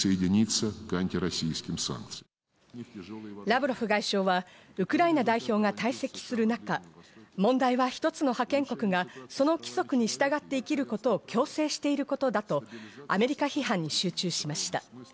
ラブロフ外相はウクライナ代表が退席する中、問題は一つの覇権国がその規則に従って生きることを強制していることだとアメリカ批判に集中しました。